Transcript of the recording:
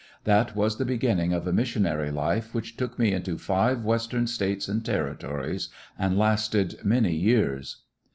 That was the begin ning of a missionary life which took me into five "Western States and Territories and lasted many years.